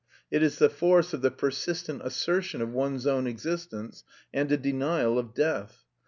It is the force of the persistent assertion of one's own existence, and a denial of death.